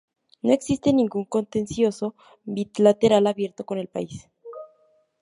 No existe ningún contencioso bilateral abierto con el país.